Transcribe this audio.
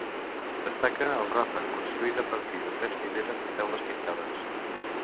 Destaca el ràfec, construït a partir de tres fileres de teules pintades.